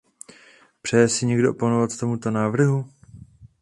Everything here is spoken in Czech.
Přeje si někdo oponovat tomuto návrhu?